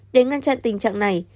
để ngăn chặn tình trạng này